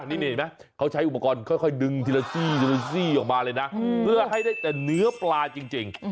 นี่เห็นไหมเขาใช้อุปกรณ์ค่อยดึงทีละซี่ทีละซี่ออกมาเลยนะเพื่อให้ได้แต่เนื้อปลาจริง